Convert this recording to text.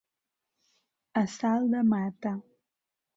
A salt de mata.